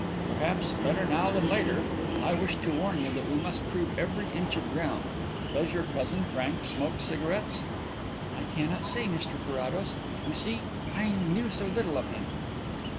"Perhaps better now than later. I wished to warn you that we must prove every inch of ground. Does your cousin Frank smoke cigarettes?" "I cannot say, Mr Carrados. You see ... I knew so little of him."